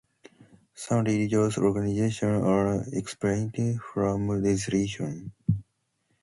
Some religious organizations are exempted from legislation.